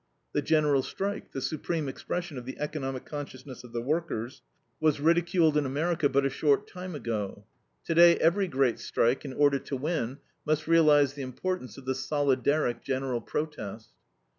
The General Strike, the supreme expression of the economic consciousness of the workers, was ridiculed in America but a short time ago. Today every great strike, in order to win, must realize the importance of the solidaric general protest.